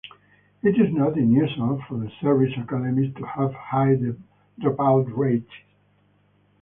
It is not unusual for the service academies to have high dropout rates.